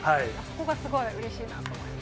ここがすごいうれしいなと思います。